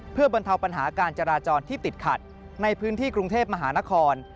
เพื่อบรรเทาปัญหาการจราจรที่ติดขัดในพื้นที่กรุงเทพมหานคร